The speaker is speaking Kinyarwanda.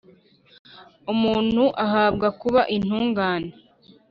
umuntu ahabwa kuba intungane